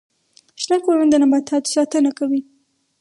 شنه کورونه د نباتاتو ساتنه کوي